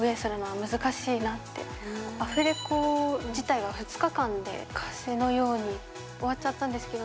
アフレコ自体は２日間で風のように終わっちゃったんですけど。